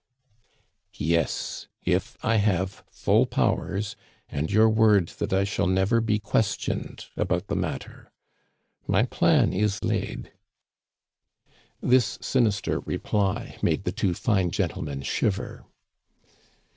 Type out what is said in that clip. "Yes, if I have full powers, and your word that I shall never be questioned about the matter. My plan is laid." This sinister reply made the two fine gentlemen shiver.